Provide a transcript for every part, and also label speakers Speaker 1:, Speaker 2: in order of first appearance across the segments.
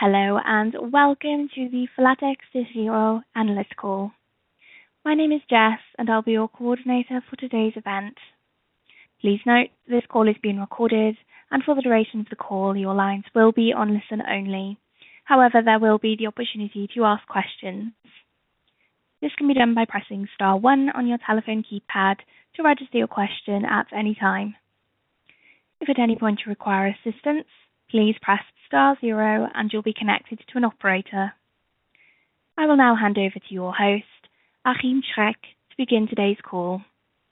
Speaker 1: Hello, and welcome to the flatexDEGIRO Analyst Call. My name is Jess, and I'll be your coordinator for today's event. Please note, this call is being recorded, and for the duration of the call, your lines will be on listen only. However, there will be the opportunity to ask questions. This can be done by pressing star one on your telephone keypad to register your question at any time. If at any point you require assistance, please press star zero and you'll be connected to an operator. I will now hand over to your host, Achim Schreck, to begin today's call.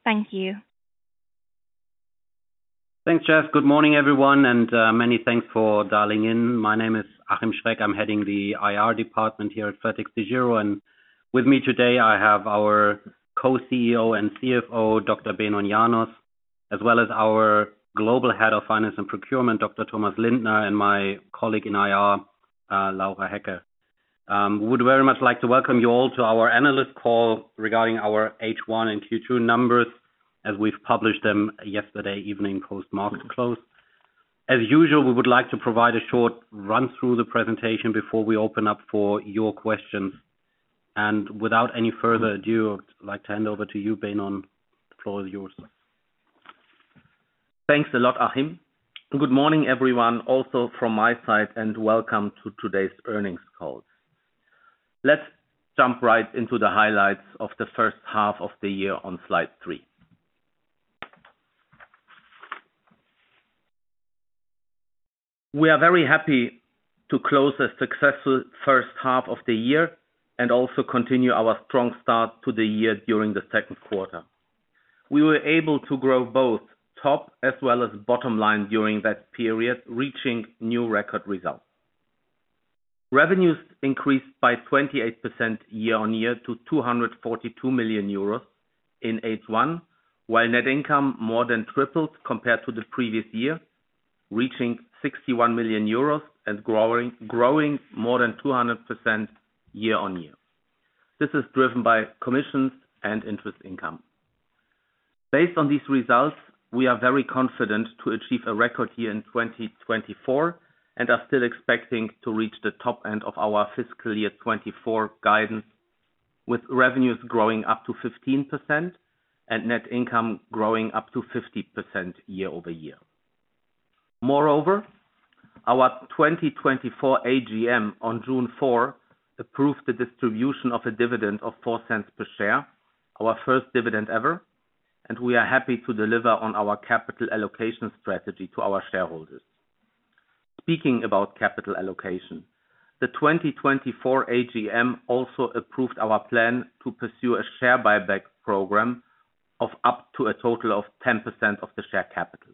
Speaker 1: Thank you.
Speaker 2: Thanks, Jess. Good morning, everyone, and many thanks for dialing in. My name is Achim Schreck. I'm heading the IR department here at flatexDEGIRO, and with me today, I have our co-CEO and CFO, Dr. Benon Janos, as well as our Global Head of Finance and Procurement, Dr. Thomas Lindner, and my colleague in IR, Laura Hecker. Would very much like to welcome you all to our analyst call regarding our H1 and Q2 numbers, as we've published them yesterday evening, post-market close. As usual, we would like to provide a short run through the presentation before we open up for your questions. Without any further ado, I'd like to hand over to you, Benon. The floor is yours.
Speaker 3: Thanks a lot, Achim. Good morning everyone, also from my side, and welcome to today's earnings call. Let's jump right into the highlights of the first half of the year on slide 3. We are very happy to close a successful first half of the year, and also continue our strong start to the year during the Q2. We were able to grow both top as well as bottom line during that period, reaching new record results. Revenues increased by 28% year-on-year to 242 million euros in H1, while net income more than tripled compared to the previous year, reaching 61 million euros and growing, growing more than 200% year-on-year. This is driven by commissions and interest income. Based on these results, we are very confident to achieve a record year in 2024, and are still expecting to reach the top end of our fiscal year 2024 guidance, with revenues growing up to 15% and net income growing up to 50% year-over-year. Moreover, our 2024 AGM on June fourth approved the distribution of a dividend of 0.04 per share, our first dividend ever, and we are happy to deliver on our capital allocation strategy to our shareholders. Speaking about capital allocation, the 2024 AGM also approved our plan to pursue a share buyback program of up to a total of 10% of the share capital.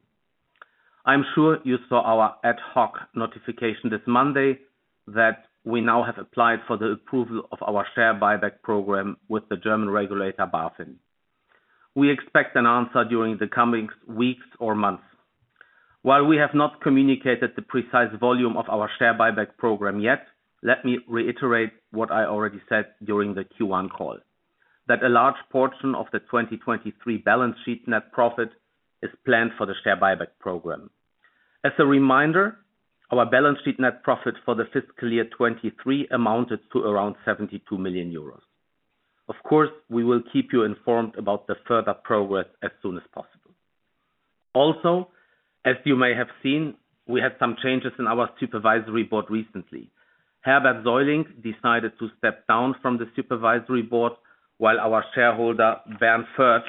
Speaker 3: I'm sure you saw our ad hoc notification this Monday that we now have applied for the approval of our share buyback program with the German regulator, BaFin. We expect an answer during the coming weeks or months. While we have not communicated the precise volume of our share buyback program yet, let me reiterate what I already said during the Q1 call, that a large portion of the 2023 balance sheet net profit is planned for the share buyback program. As a reminder, our balance sheet net profit for the fiscal year 2023 amounted to around 72 million euros. Of course, we will keep you informed about the further progress as soon as possible. Also, as you may have seen, we had some changes in our supervisory board recently. Herbert Seuling decided to step down from the supervisory board, while our shareholder, Bernd Förtsch,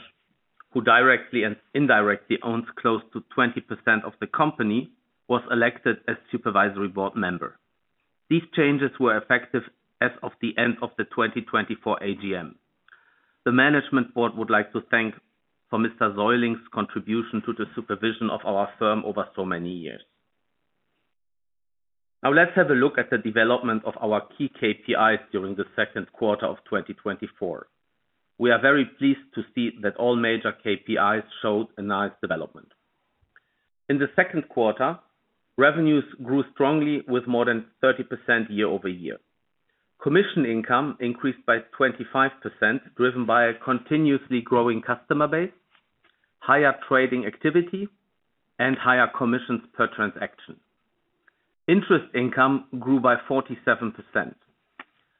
Speaker 3: who directly and indirectly owns close to 20% of the company, was elected as supervisory board member. These changes were effective as of the end of the 2024 AGM. The management board would like to thank for Mr. Seuling's contribution to the supervision of our firm over so many years. Now, let's have a look at the development of our key KPIs during the Q2 of 2024. We are very pleased to see that all major KPIs showed a nice development. In the Q2, revenues grew strongly with more than 30% year-over-year. Commission income increased by 25%, driven by a continuously growing customer base, higher trading activity, and higher commissions per transaction. Interest income grew by 47%.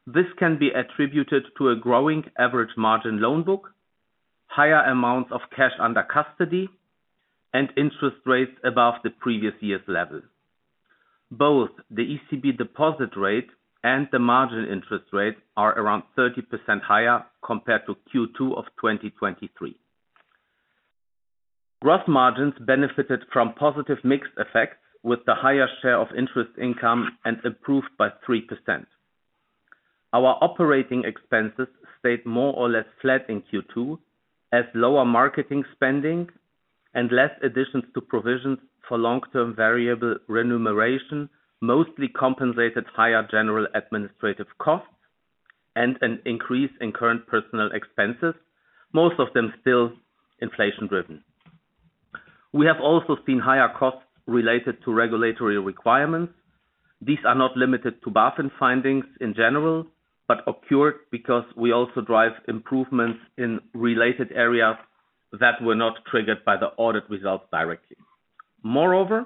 Speaker 3: This can be attributed to a growing average margin loan book, higher amounts of cash under custody, and interest rates above the previous year's level. Both the ECB deposit rate and the margin interest rate are around 30% higher compared to Q2 of 2023. Gross margins benefited from positive mix effects, with the higher share of interest income and improved by 3%. Our operating expenses stayed more or less flat in Q2, as lower marketing spending and less additions to provisions for long-term variable remuneration, mostly compensated higher general administrative costs and an increase in current personnel expenses, most of them still inflation driven. We have also seen higher costs related to regulatory requirements. These are not limited to BaFin findings in general, but occurred because we also drive improvements in related areas that were not triggered by the audit results directly. Moreover,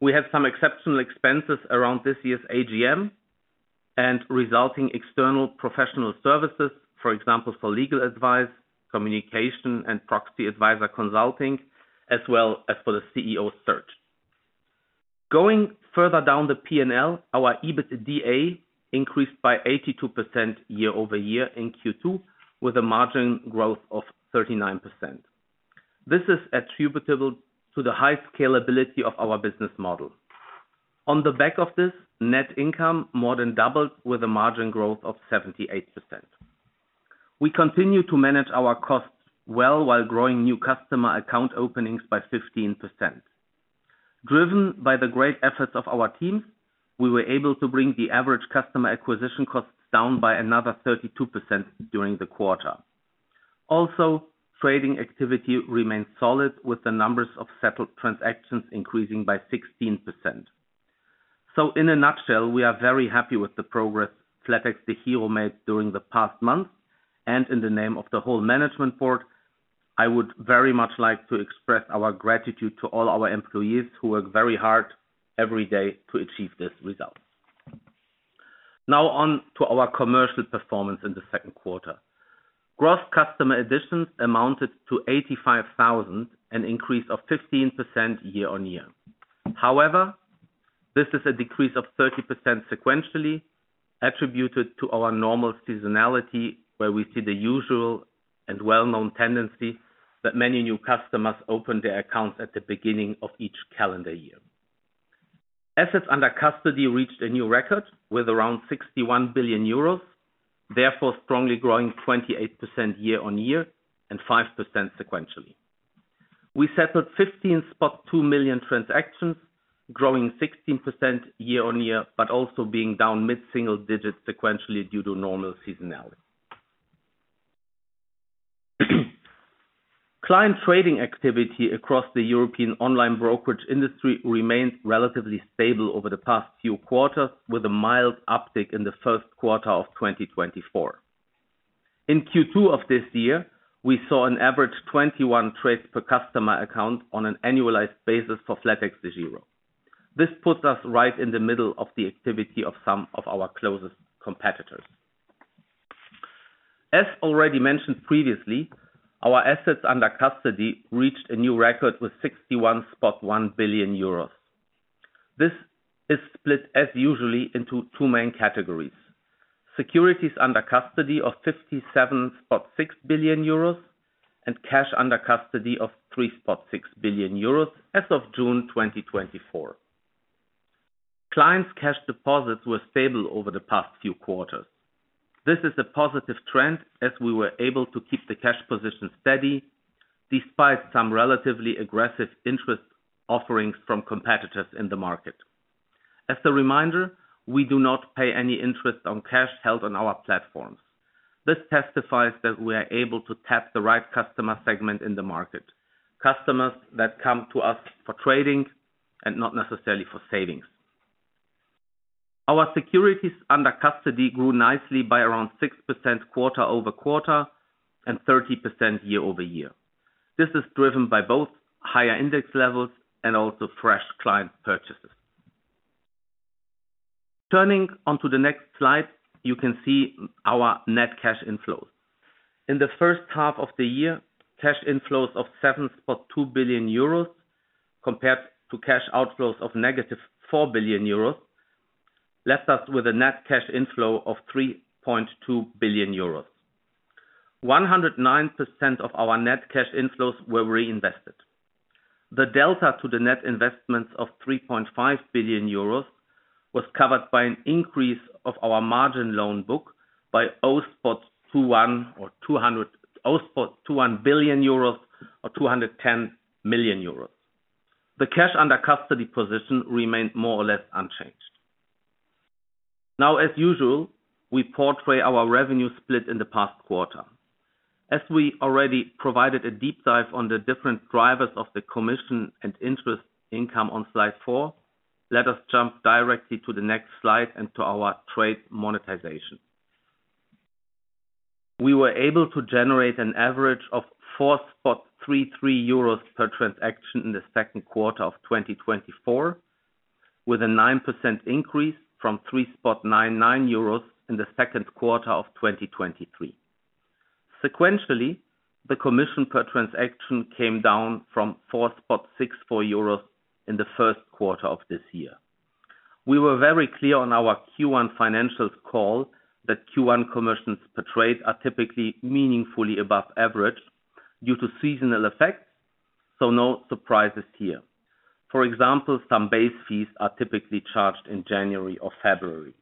Speaker 3: we had some exceptional expenses around this year's AGM and resulting external professional services, for example, for legal advice, communication, and proxy advisor consulting, as well as for the CEO search. Going further down the P&L, our EBITDA increased by 82% year-over-year in Q2, with a margin growth of 39%. This is attributable to the high scalability of our business model. On the back of this, net income more than doubled with a margin growth of 78%. We continue to manage our costs well while growing new customer account openings by 15%. Driven by the great efforts of our teams, we were able to bring the average customer acquisition costs down by another 32% during the quarter. Also, trading activity remained solid, with the numbers of settled transactions increasing by 16%. So in a nutshell, we are very happy with the progress flatexDEGIRO made during the past month, and in the name of the whole management board, I would very much like to express our gratitude to all our employees who work very hard every day to achieve this result. Now on to our commercial performance in the Q2. Gross customer additions amounted to 85,000, an increase of 15% year-over-year. However, this is a decrease of 30% sequentially, attributed to our normal seasonality, where we see the usual and well-known tendency that many new customers open their accounts at the beginning of each calendar year. Assets under custody reached a new record with around 61 billion euros, therefore strongly growing 28% year-over-year and 5% sequentially. We settled 15.2 million transactions, growing 16% year-on-year, but also being down mid-single digits sequentially due to normal seasonality. Client trading activity across the European online brokerage industry remained relatively stable over the past few quarters, with a mild uptick in the Q1 of 2024. In Q2 of this year, we saw an average 21 trades per customer account on an annualized basis for flatexDEGIRO. This puts us right in the middle of the activity of some of our closest competitors. As already mentioned previously, our assets under custody reached a new record with 61.1 billion euros. This is split, as usually, into two main categories: securities under custody of 57.6 billion euros and cash under custody of 3.6 billion euros as of June 2024. Clients' cash deposits were stable over the past few quarters. This is a positive trend as we were able to keep the cash position steady, despite some relatively aggressive interest offerings from competitors in the market. As a reminder, we do not pay any interest on cash held on our platforms. This testifies that we are able to tap the right customer segment in the market, customers that come to us for trading and not necessarily for savings. Our securities under custody grew nicely by around 6% quarter-over-quarter and 30% year-over-year. This is driven by both higher index levels and also fresh client purchases. Turning onto the next slide, you can see our net cash inflows. In the first half of the year, cash inflows of 7.2 billion euros, compared to cash outflows of negative 4 billion euros, left us with a net cash inflow of 3.2 billion euros. 109% of our net cash inflows were reinvested. The delta to the net investments of 3.5 billion euros was covered by an increase of our margin loan book by 0.21 billion euros or 210 million euros. The cash under custody position remained more or less unchanged. Now, as usual, we portray our revenue split in the past quarter. As we already provided a deep dive on the different drivers of the commission and interest income on slide four, let us jump directly to the next slide and to our trade monetization. We were able to generate an average of 4.33 euros per transaction in the Q2 of 2024, with a 9% increase from 3.99 euros in the Q2 of 2023. Sequentially, the commission per transaction came down from 4.64 euros in the Q1 of this year. We were very clear on our Q1 financials call that Q1 commissions per trade are typically meaningfully above average due to seasonal effects, so no surprises here. For example, some base fees are typically charged in January or February.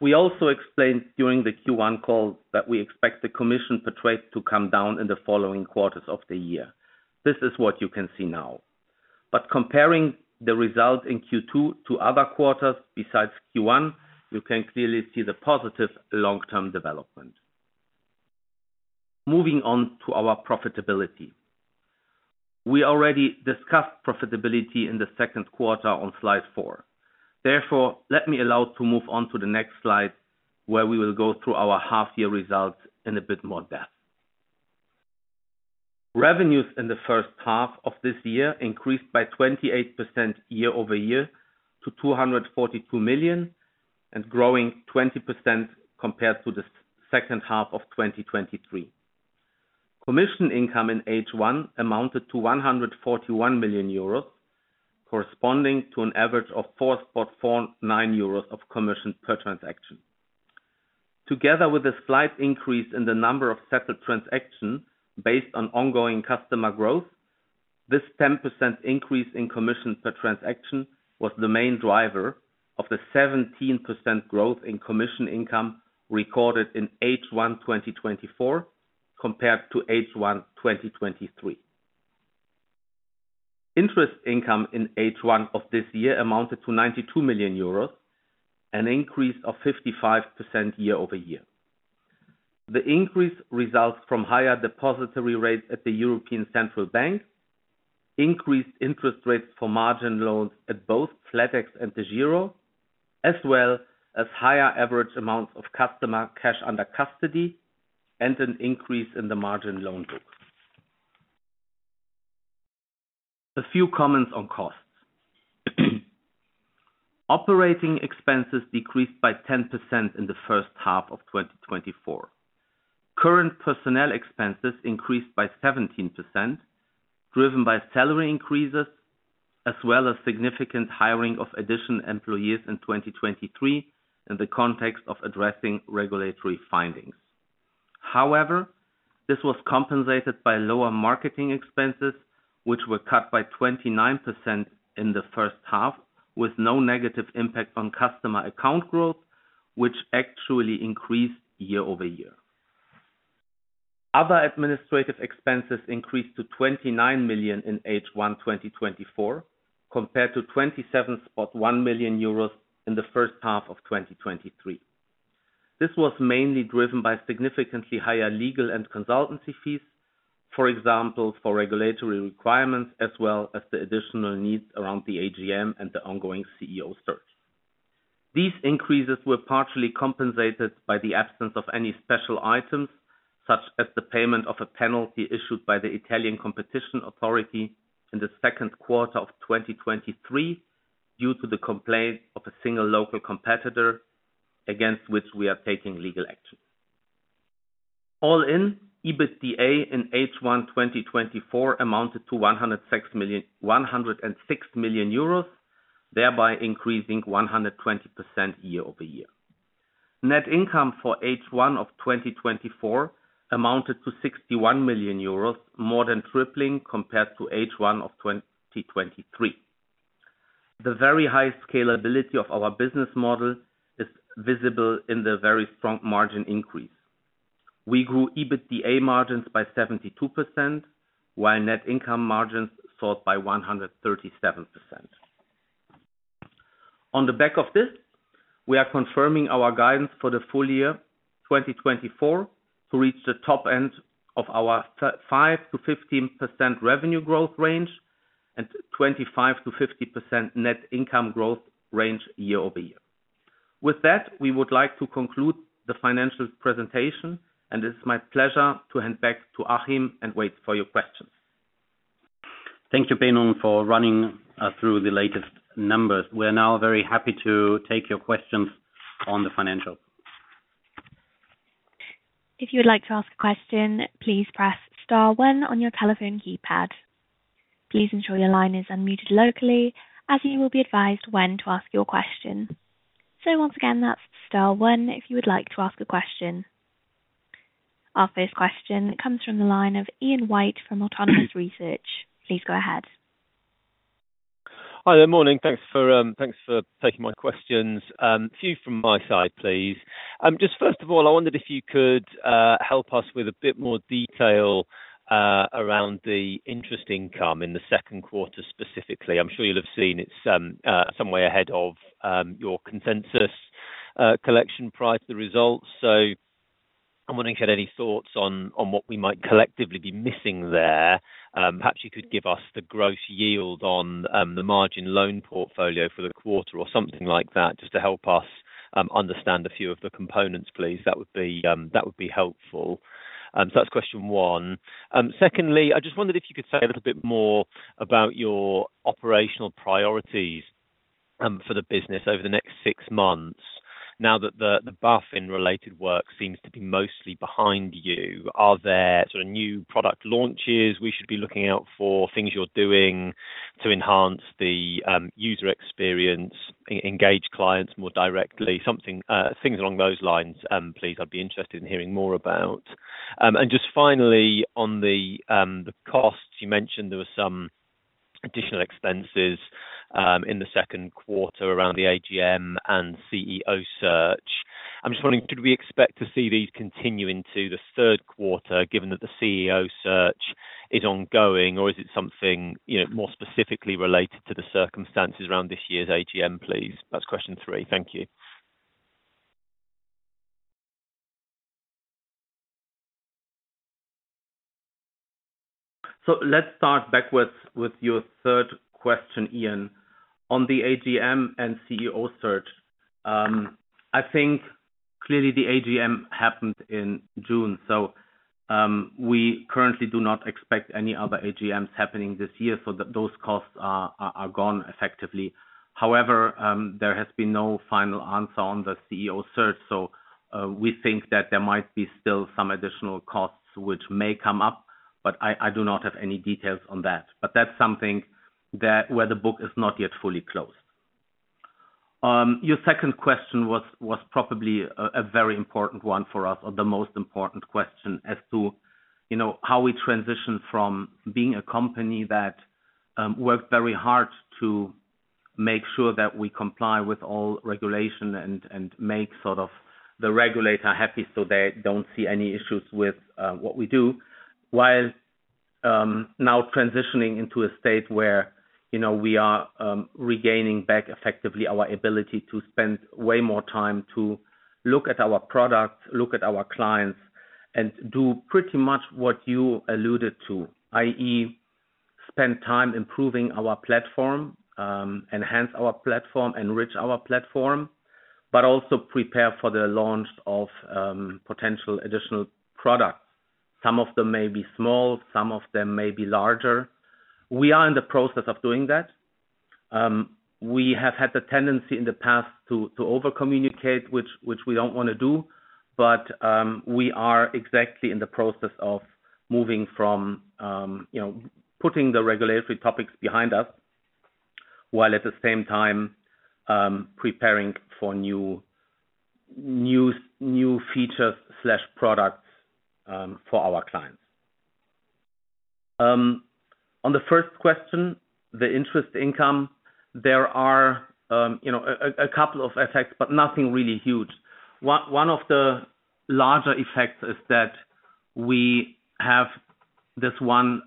Speaker 3: We also explained during the Q1 call that we expect the commission per trade to come down in the following quarters of the year. This is what you can see now. But comparing the result in Q2 to other quarters besides Q1, you can clearly see the positive long-term development. Moving on to our profitability. We already discussed profitability in the Q2 on slide 4. Therefore, let me allow to move on to the next slide, where we will go through our half year results in a bit more depth. Revenues in the first half of this year increased by 28% year-over-year to 242 million, and growing 20% compared to the second half of 2023. Commission income in H1 amounted to 141 million euros, corresponding to an average of 4.49 euros of commission per transaction. Together with a slight increase in the number of settled transactions based on ongoing customer growth, this 10% increase in commission per transaction was the main driver of the 17% growth in commission income recorded in H1 2024, compared to H1 2023. Interest income in H1 of this year amounted to 92 million euros, an increase of 55% year-over-year. The increase results from higher depository rates at the European Central Bank, increased interest rates for margin loans at both flatex and DEGIRO, as well as higher average amounts of customer cash under custody, and an increase in the margin loan book. A few comments on costs. Operating expenses decreased by 10% in the first half of 2024. Current personnel expenses increased by 17%, driven by salary increases, as well as significant hiring of additional employees in 2023 in the context of addressing regulatory findings. However, this was compensated by lower marketing expenses, which were cut by 29% in the first half, with no negative impact on customer account growth, which actually increased year-over-year. Other administrative expenses increased to 29 million in H1 2024, compared to 27.1 million euros in the first half of 2023. This was mainly driven by significantly higher legal and consultancy fees, for example, for regulatory requirements, as well as the additional needs around the AGM and the ongoing CEO search. These increases were partially compensated by the absence of any special items, such as the payment of a penalty issued by the Italian Competition Authority in the Q2 of 2023, due to the complaint of a single local competitor, against which we are taking legal action. All in, EBITDA in H1 2024 amounted to 106 million euros, 106 million euros, thereby increasing 120% year-over-year. Net income for H1 of 2024 amounted to 61 million euros, more than tripling compared to H1 of 2023. The very high scalability of our business model is visible in the very strong margin increase. We grew EBITDA margins by 72%, while net income margins soared by 137%. On the back of this, we are confirming our guidance for the full year 2024 to reach the top end of our five to 15% revenue growth range and 25% to 50% net income growth range year-over-year. With that, we would like to conclude the financial presentation, and it's my pleasure to hand back to Achim and wait for your questions.
Speaker 2: Thank you, Benon, for running through the latest numbers. We're now very happy to take your questions on the financial.
Speaker 1: If you would like to ask a question, please press star one on your telephone keypad. Please ensure your line is unmuted locally, as you will be advised when to ask your question. So once again, that's star one if you would like to ask a question. Our first question comes from the line of Ian White from Autonomous Research. Please go ahead.
Speaker 4: Hi there, morning. Thanks for, thanks for taking my questions. A few from my side, please. Just first of all, I wondered if you could, help us with a bit more detail, around the interest income in the Q2, specifically. I'm sure you'll have seen it's, some way ahead of, your consensus, collected price, the results. So I'm wondering, get any thoughts on, on what we might collectively be missing there? Perhaps you could give us the gross yield on, the margin loan portfolio for the quarter or something like that, just to help us, understand a few of the components, please. That would be, that would be helpful. So that's question one. Secondly, I just wondered if you could say a little bit more about your operational priorities for the business over the next six months. Now that the BaFin related work seems to be mostly behind you, are there sort of new product launches we should be looking out for? Things you're doing to enhance the user experience, engage clients more directly? Something, things along those lines, please. I'd be interested in hearing more about. And just finally on the costs, you mentioned there were some additional expenses in the Q2 around the AGM and CEO search. I'm just wondering, could we expect to see these continue into the Q3, given that the CEO search is ongoing, or is it something, you know, more specifically related to the circumstances around this year's AGM, please? That's question three. Thank you.
Speaker 3: So let's start backwards with your third question, Ian. On the AGM and CEO search, I think clearly the AGM happened in June, so we currently do not expect any other AGMs happening this year, so those costs are gone effectively. However, there has been no final answer on the CEO search, so we think that there might be still some additional costs which may come up, but I do not have any details on that. But that's something that, where the book is not yet fully closed. Your second question was probably a very important one for us, or the most important question as to, you know, how we transition from being a company that worked very hard to make sure that we comply with all regulation and make sort of the regulator happy so they don't see any issues with what we do. While now transitioning into a state where, you know, we are regaining back effectively our ability to spend way more time to look at our products, look at our clients, and do pretty much what you alluded to, i.e., spend time improving our platform, enhance our platform, enrich our platform, but also prepare for the launch of potential additional products. Some of them may be small, some of them may be larger. We are in the process of doing that. We have had the tendency in the past to overcommunicate, which we don't wanna do, but we are exactly in the process of moving from you know, putting the regulatory topics behind us, while at the same time, preparing for new features/products for our clients. On the first question, the interest income, there are you know, a couple of effects, but nothing really huge. One of the larger effects is that we have this one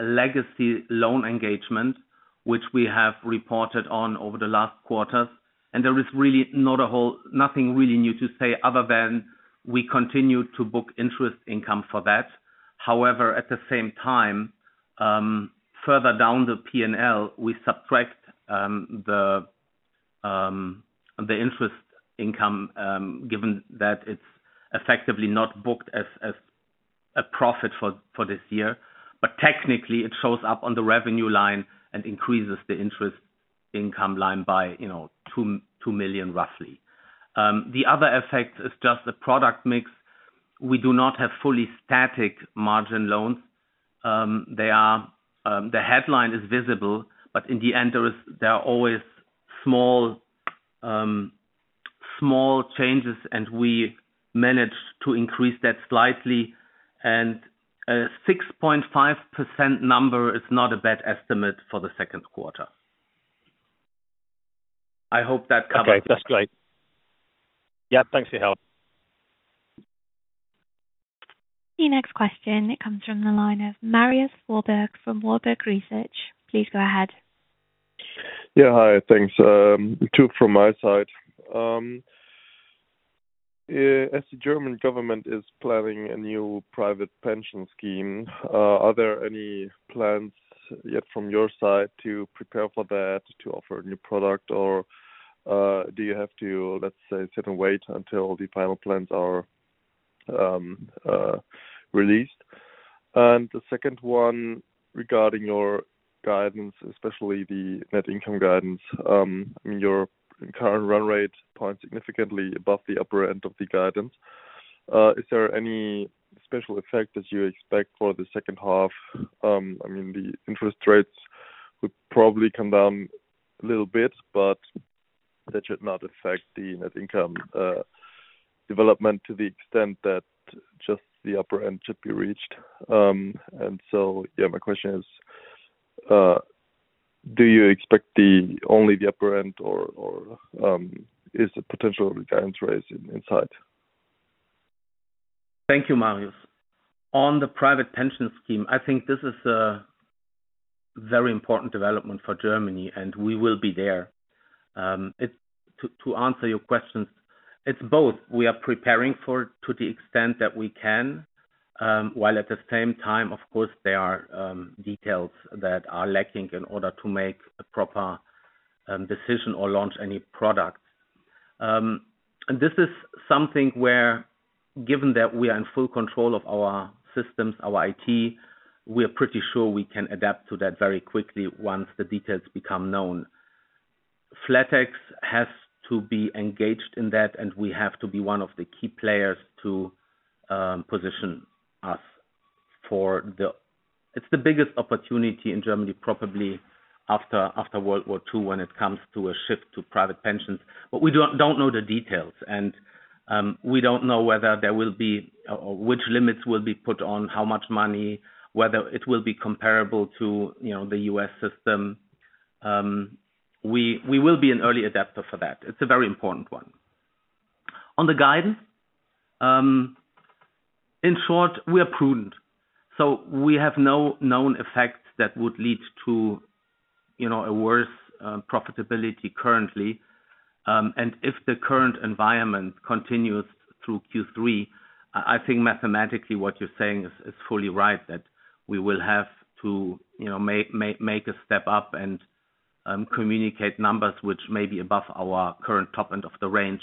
Speaker 3: legacy loan engagement, which we have reported on over the last quarters, and there is really not a whole, nothing really new to say other than we continue to book interest income for that. However, at the same time, further down the P&L, we subtract the interest income, given that it's effectively not booked as a profit for this year. But technically, it shows up on the revenue line and increases the interest income line by, you know, 2 million, roughly. The other effect is just the product mix. We do not have fully static margin loans. They are, the headline is visible, but in the end, there are always small changes, and we managed to increase that slightly. And a 6.5% number is not a bad estimate for the Q2. I hope that covers.
Speaker 4: Okay, that's great. Yeah, thanks for your help.
Speaker 1: The next question comes from the line of Marius Fuhrberg from Warburg Research. Please go ahead.
Speaker 5: Yeah, hi. Thanks, too, from my side. As the German government is planning a new private pension scheme, are there any plans yet from your side to prepare for that, to offer a new product? Or, do you have to, let's say, sit and wait until the final plans are released? And the second one, regarding your guidance, especially the net income guidance, I mean, your current run rate point, significantly above the upper end of the guidance. Is there any special effect that you expect for the second half? I mean, the interest rates would probably come down a little bit, but that should not affect the net income development to the extent that just the upper end should be reached. And so, yeah, my question is, do you expect the only the upper end or is the potential guidance raise in sight?
Speaker 3: Thank you, Marius. On the private pension scheme, I think this is a very important development for Germany, and we will be there. To answer your questions, it's both. We are preparing for it to the extent that we can, while at the same time, of course, there are details that are lacking in order to make a proper decision or launch any product. And this is something where, given that we are in full control of our systems, our IT, we are pretty sure we can adapt to that very quickly once the details become known. Flatex has to be engaged in that, and we have to be one of the key players to position us for the... It's the biggest opportunity in Germany, probably after World War II, when it comes to a shift to private pensions. But we don't know the details, and we don't know whether there will be, or which limits will be put on, how much money, whether it will be comparable to, you know, the US system. We will be an early adopter for that. It's a very important one. On the guidance, in short, we are prudent, so we have no known effects that would lead to you know, a worse profitability currently. And if the current environment continues through Q3, I think mathematically what you're saying is fully right, that we will have to, you know, make a step up and communicate numbers which may be above our current top end of the range.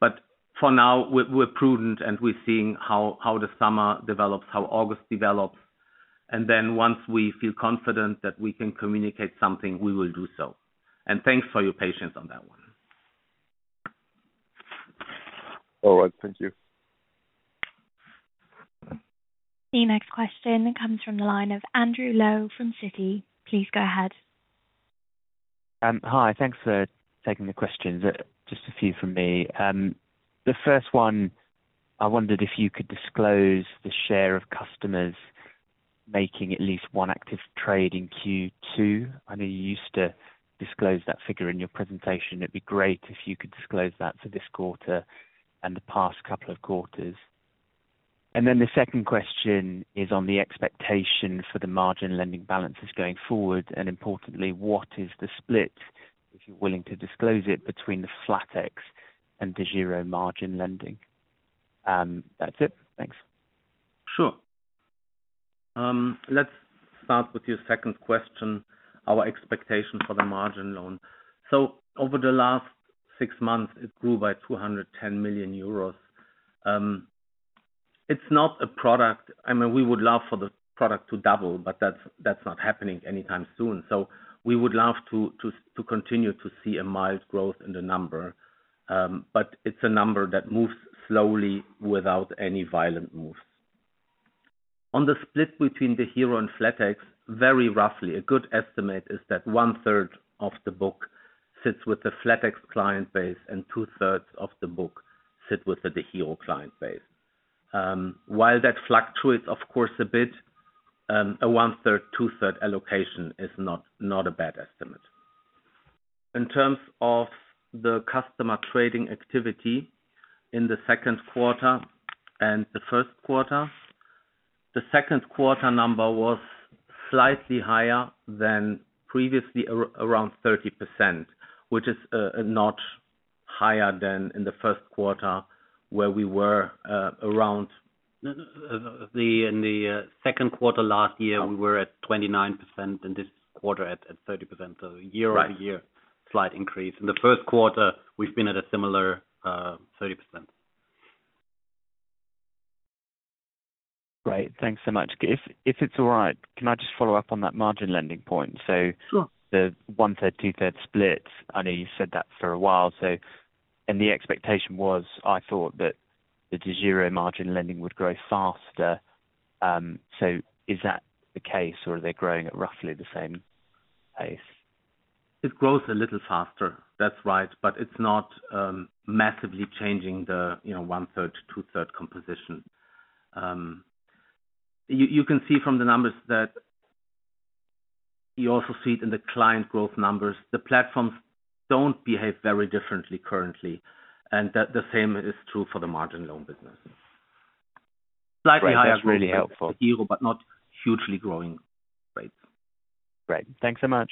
Speaker 3: But for now, we're prudent, and we're seeing how the summer develops, how August develops. And then once we feel confident that we can communicate something, we will do so. And thanks for your patience on that one.
Speaker 5: All right, thank you.
Speaker 1: The next question comes from the line of Andrew Lowe from Citi. Please go ahead.
Speaker 6: Hi, thanks for taking the questions. Just a few from me. The first one, I wondered if you could disclose the share of customers making at least one active trade in Q2. I know you used to disclose that figure in your presentation. It'd be great if you could disclose that for this quarter and the past couple of quarters. And then the second question is on the expectation for the margin lending balances going forward, and importantly, what is the split, if you're willing to disclose it, between the flatex and the DEGIRO margin lending? That's it. Thanks.
Speaker 3: Sure. Let's start with your second question, our expectation for the margin loan. So over the last six months, it grew by 210 million euros. It's not a product. I mean, we would love for the product to double, but that's not happening anytime soon. So we would love to continue to see a mild growth in the number. But it's a number that moves slowly, without any violent moves. On the split between the DEGIRO and flatex, very roughly, a good estimate is that one-third of the book sits with the flatex client base, and two-thirds of the book sit with the DEGIRO client base. While that fluctuates, of course, a bit, a one-third, two-thirds allocation is not a bad estimate. In terms of the customer trading activity in the Q2 and the Q1, the Q2 number was slightly higher than previously, around 30%, which is a notch higher than in the Q1, where we were. In the Q2 last year, we were at 29%, and this quarter at 30%. So year-over-year slight increase. In the Q1, we've been at a similar, 30%.
Speaker 6: Great. Thanks so much. If, if it's all right, can I just follow up on that margin lending point?
Speaker 3: Sure.
Speaker 6: The one-third, two-thirds split, I know you've said that for a while, so, and the expectation was, I thought, that the zero margin lending would grow faster. So is that the case, or are they growing at roughly the same pace?
Speaker 3: It grows a little faster, that's right, but it's not massively changing the, you know, one-third to two-thirds composition. You can see from the numbers that you also see it in the client growth numbers. The platforms don't behave very differently currently, and that the same is true for the margin loan business.
Speaker 6: Right. That's really helpful.
Speaker 3: But not hugely growing rates.
Speaker 6: Great. Thanks so much.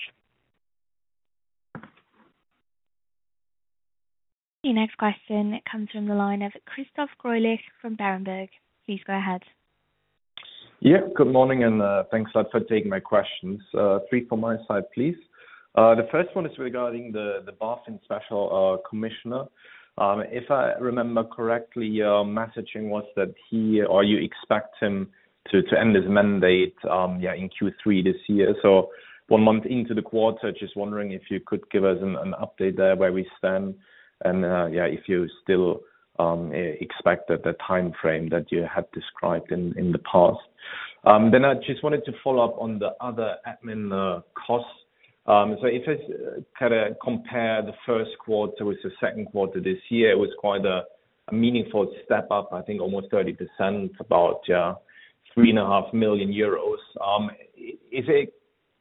Speaker 1: The next question comes from the line of Christoph Greulich from Berenberg. Please go ahead.
Speaker 7: Yeah, good morning, and, thanks a lot for taking my questions. Three from my side, please. The first one is regarding the, the BaFin special, commissioner. If I remember correctly, your messaging was that he, or you expect him to, to end his mandate, yeah, in Q3 this year. So one month into the quarter, just wondering if you could give us an, an update there, where we stand, and, yeah, if you still, expect that the timeframe that you had described in, in the past. Then I just wanted to follow up on the other admin costs. So if it's kinda compare the Q1 with the Q2 this year, it was quite a, a meaningful step up, I think almost 30%, about 3.5 million euros. Is it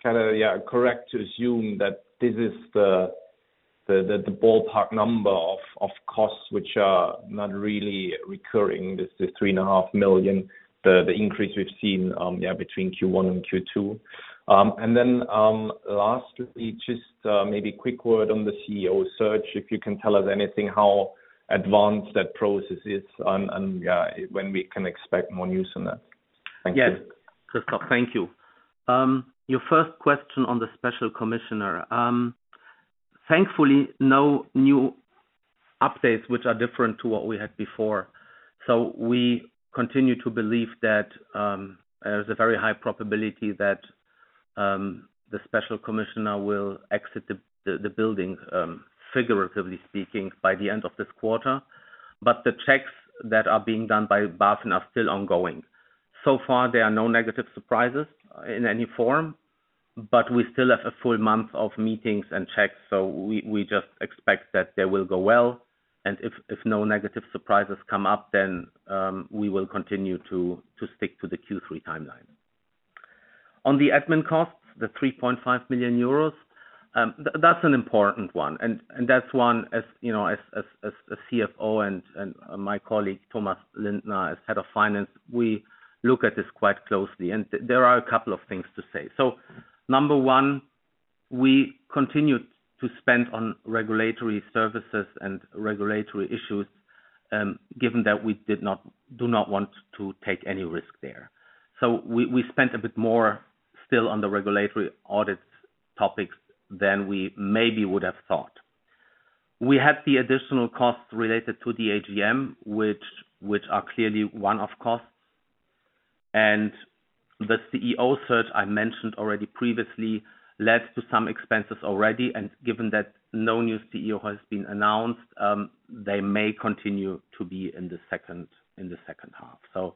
Speaker 7: kinda, yeah, correct to assume that this is the ballpark number of costs which are not really recurring, this, the 3.5 million, the increase we've seen, between Q1 and Q2? Then, lastly, just maybe a quick word on the CEO search, if you can tell us anything, how advanced that process is and when we can expect more news on that. Thank you.
Speaker 3: Yes, Christoph, thank you. Your first question on the special commissioner. Thankfully, no new updates which are different to what we had before. So we continue to believe that there's a very high probability that the special commissioner will exit the building, figuratively speaking, by the end of this quarter. But the checks that are being done by BaFin are still ongoing. So far, there are no negative surprises in any form, but we still have a full month of meetings and checks, so we just expect that they will go well, and if no negative surprises come up, then we will continue to stick to the Q3 timeline. On the admin costs, the 3.5 million euros, that's an important one, and that's one, as you know, as CFO and my colleague, Thomas Lindner, as Head of Finance, we look at this quite closely. And there are a couple of things to say. So, number one, we continued to spend on regulatory services and regulatory issues, given that we do not want to take any risk there. So we spent a bit more still on the regulatory audits topics than we maybe would have thought. We had the additional costs related to the AGM, which are clearly one-off costs, and the CEO search I mentioned already previously led to some expenses already, and given that no new CEO has been announced, they may continue to be in the second half. So,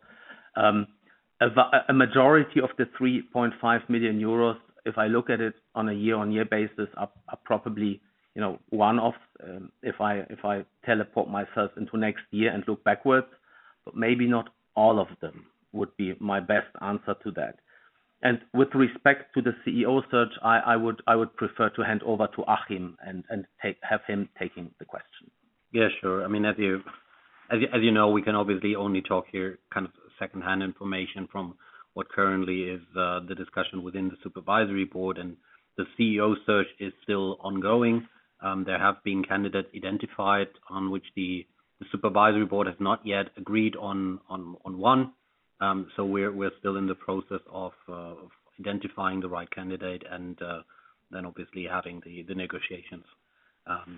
Speaker 3: a majority of the 3.5 million euros, if I look at it on a year-on-year basis, are probably, you know, one of, if I teleport myself into next year and look backwards, but maybe not all of them, would be my best answer to that. With respect to the CEO search, I would prefer to hand over to Achim and have him taking the question.
Speaker 2: Yeah, sure. I mean, as you know, we can obviously only talk here kind of secondhand information from what currently is the discussion within the supervisory board, and the CEO search is still ongoing. There have been candidates identified on which the supervisory board has not yet agreed on one. So we're still in the process of identifying the right candidate and then obviously having the negotiations.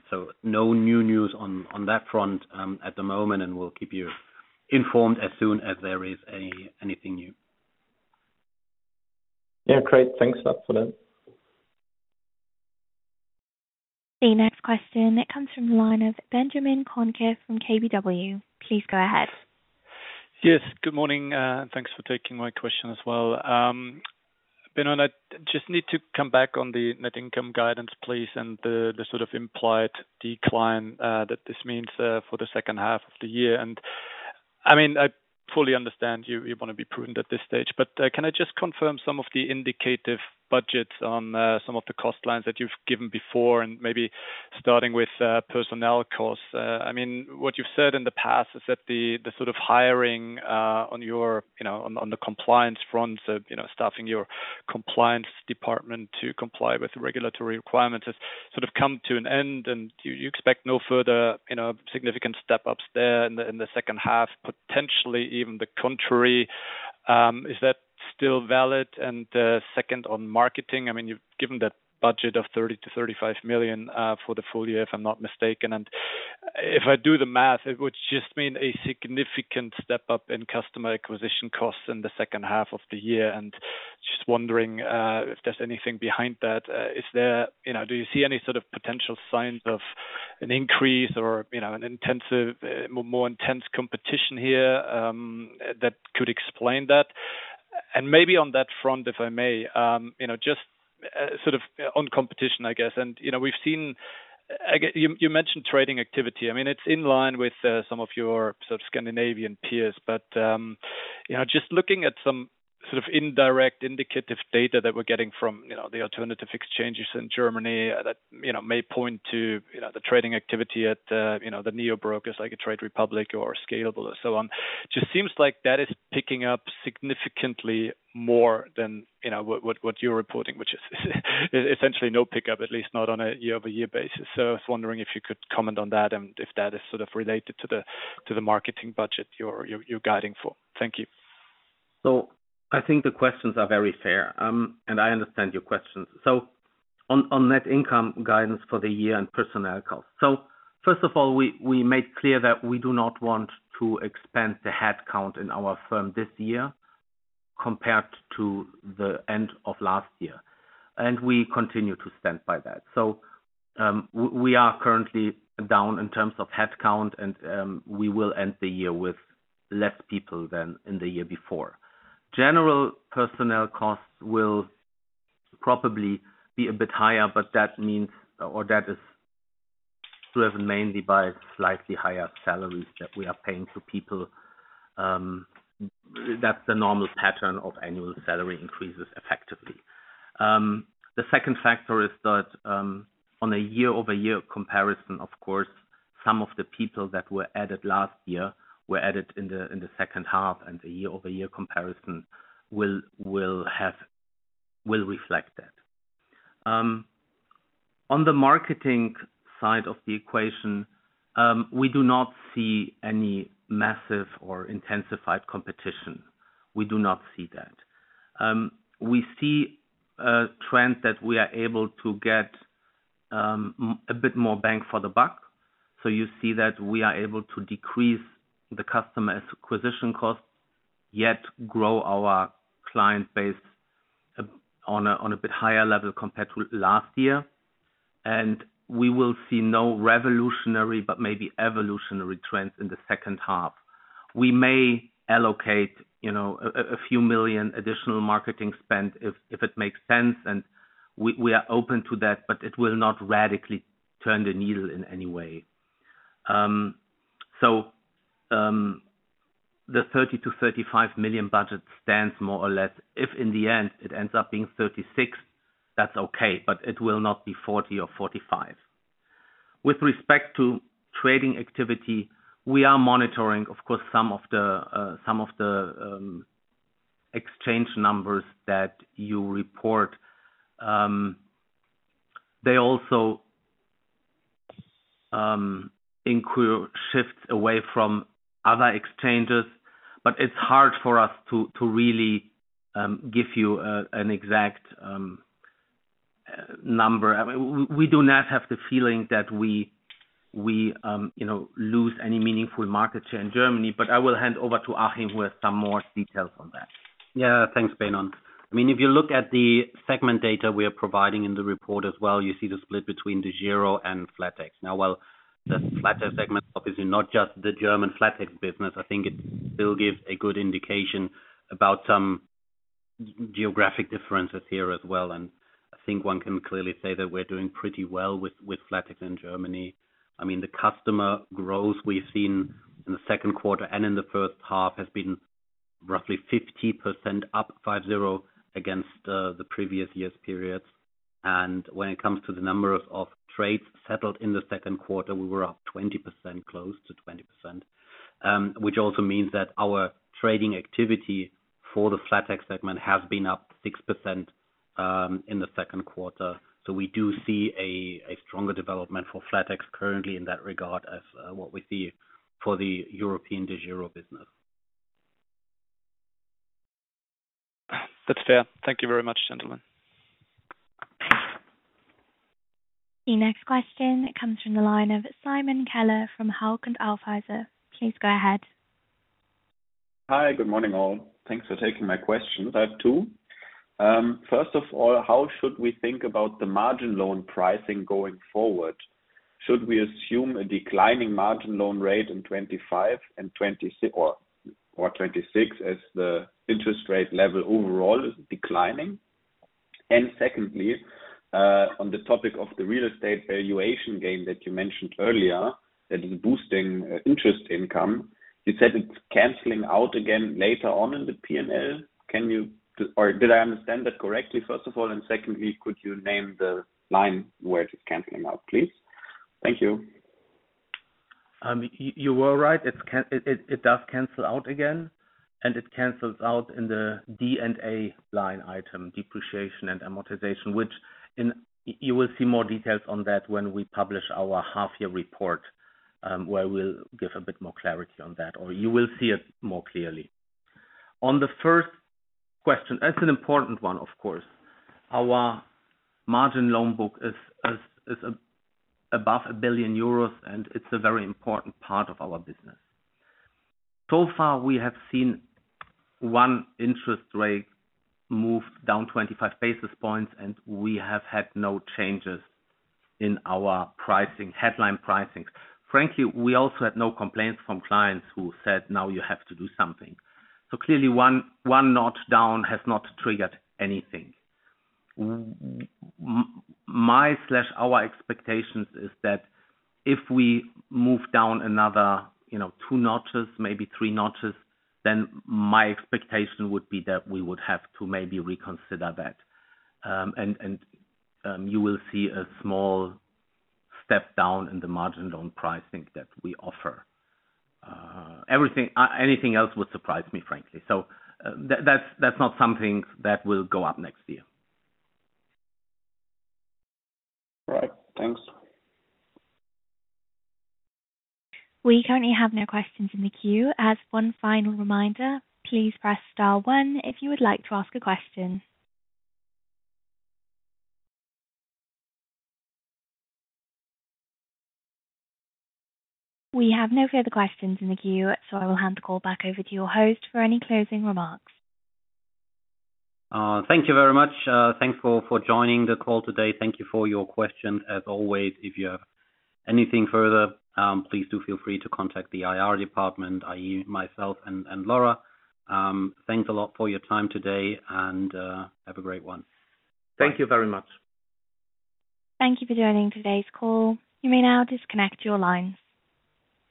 Speaker 2: So no new news on that front at the moment, and we'll keep you informed as soon as there is anything new.
Speaker 7: Yeah, great. Thanks a lot for that.
Speaker 1: The next question that comes from the line of Benjamin Kohnke from KBW. Please go ahead.
Speaker 8: Yes, good morning, and thanks for taking my question as well. Benon, I just need to come back on the net income guidance, please, and the sort of implied decline that this means for the second half of the year. And I mean, I fully understand you, you wanna be prudent at this stage, but can I just confirm some of the indicative budgets on some of the cost lines that you've given before, and maybe starting with personnel costs? I mean, what you've said in the past is that the, the sort of hiring, on your, you know, on, on the compliance front, you know, staffing your compliance department to comply with regulatory requirements, has sort of come to an end, and do you expect no further, you know, significant step ups there in the, in the second half, potentially even the contrary? Is that still valid? And, second, on marketing, I mean, you've given that budget of 30 million-35 million for the full year, if I'm not mistaken, and if I do the math, it would just mean a significant step up in customer acquisition costs in the second half of the year. And just wondering, if there's anything behind that. Is there, you know, do you see any sort of potential signs of an increase or, you know, an intensive, more, more intense competition here, that could explain that? And maybe on that front, if I may, you know, just, sort of on competition, I guess, and, you know, we've seen, again, you, you mentioned trading activity. I mean, it's in line with, some of your sort of Scandinavian peers, but, you know, just looking at some sort of indirect indicative data that we're getting from, you know, the alternative exchanges in Germany, that, you know, may point to, you know, the trading activity at the, you know, the neo brokers, like a Trade Republic or Scalable or so on. Just seems like that is picking up significantly more than, you know, what you're reporting, which is essentially no pickup, at least not on a year-over-year basis. So I was wondering if you could comment on that, and if that is sort of related to the marketing budget you're guiding for. Thank you.
Speaker 3: So I think the questions are very fair, and I understand your questions. So on net income guidance for the year and personnel costs. So first of all, we made clear that we do not want to expand the headcount in our firm this year compared to the end of last year, and we continue to stand by that. So we are currently down in terms of headcount, and we will end the year with less people than in the year before. General personnel costs will probably be a bit higher, but that means, or that is driven mainly by slightly higher salaries that we are paying to people, that's the normal pattern of annual salary increases effectively. The second factor is that, on a year-over-year comparison, of course, some of the people that were added last year were added in the second half, and the year-over-year comparison will reflect that. On the marketing side of the equation, we do not see any massive or intensified competition. We do not see that. We see a trend that we are able to get a bit more bang for the buck. So you see that we are able to decrease the customer acquisition costs, yet grow our client base, on a bit higher level compared to last year, and we will see no revolutionary but maybe evolutionary trends in the second half. We may allocate, you know, a few million EUR additional marketing spend if it makes sense, and we are open to that, but it will not radically turn the needle in any way. So, the 30-35 million EUR budget stands more or less. If in the end it ends up being 36 million EUR, that's okay, but it will not be 40 or 45 million EUR. With respect to trading activity, we are monitoring, of course, some of the exchange numbers that you report. They also include shifts away from other exchanges, but it's hard for us to really give you an exact number. I mean, we do not have the feeling that we you know, lose any meaningful market share in Germany. But I will hand over to Achim, who has some more details on that.
Speaker 2: Yeah. Thanks, Benon. I mean, if you look at the segment data we are providing in the report as well, you see the split between DEGIRO and flatex. Now, while the flatex segment, obviously not just the German flatex business, I think it still gives a good indication about some geographic differences here as well. And I think one can clearly say that we're doing pretty well with, with flatex in Germany. I mean, the customer growth we've seen in the Q2 and in the first half, has been roughly 50% up, 50, against the previous year's periods. And when it comes to the number of, of trades settled in the Q2, we were up 20%, close to 20% which also means that our trading activity for the flatex segment has been up 6% in the Q2. So we do see a stronger development for flatex currently in that regard, as what we see for the European DEGIRO business.
Speaker 8: That's fair. Thank you very much, gentlemen.
Speaker 1: The next question comes from the line of Simon Keller from Hauck & Aufhäuser. Please go ahead.
Speaker 9: Hi, good morning, all. Thanks for taking my questions. I have two. First of all, how should we think about the margin loan pricing going forward? Should we assume a declining margin loan rate in 2025 and 2026, as the interest rate level overall is declining? And secondly, on the topic of the real estate valuation gain that you mentioned earlier, that is boosting interest income, you said it's canceling out again later on in the PNL. Can you, or did I understand that correctly, first of all? And secondly, could you name the line where it is canceling out, please? Thank you.
Speaker 3: You were right. It does cancel out again, and it cancels out in the D&A line item, depreciation and amortization. Which, you will see more details on that when we publish our half-year report, where we'll give a bit more clarity on that, or you will see it more clearly. On the first question, that's an important one, of course. Our margin loan book is above 1 billion euros, and it's a very important part of our business. So far, we have seen one interest rate move down 25 basis points, and we have had no changes in our pricing, headline pricing. Frankly, we also had no complaints from clients who said, "Now you have to do something." So clearly, one notch down has not triggered anything. My slash our expectations is that if we move down another, you know, two notches, maybe three notches, then my expectation would be that we would have to maybe reconsider that. And you will see a small step down in the margin loan pricing that we offer. Everything, anything else would surprise me, frankly. So, that's not something that will go up next year.
Speaker 9: All right, thanks.
Speaker 1: We currently have no questions in the queue. As one final reminder, please press star one if you would like to ask a question. We have no further questions in the queue, so I will hand the call back over to your host for any closing remarks.
Speaker 2: Thank you very much. Thanks for joining the call today. Thank you for your question. As always, if you have anything further, please do feel free to contact the IR department, i.e., myself and Laura. Thanks a lot for your time today, and have a great one. Thank you very much.
Speaker 1: Thank you for joining today's call. You may now disconnect your lines.